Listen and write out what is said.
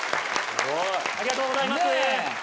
ありがとうございます。